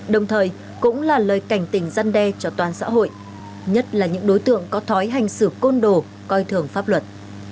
đồng thời cũng là lời cảnh tình răn đe cho toàn xã hội nhất là những đối tượng có thói hành xử côn đồ coi thường pháp luật